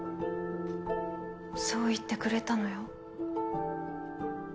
そう言ってくれたのよ。